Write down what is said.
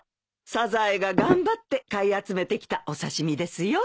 サザエが頑張って買い集めてきたお刺し身ですよ。